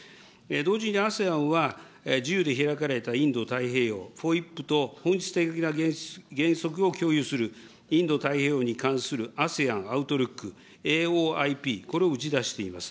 同時にＡＳＥＡＮは自由で開かれたインド太平洋・ＦＯＩＰと本質的な原則を共有するインド太平洋の関するＡＳＥＡＮアウトルックＡＯＩＰ、これを打ち出しています。